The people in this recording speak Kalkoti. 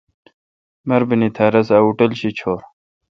مربینی تھیا رس ا ہوٹل شی چھور۔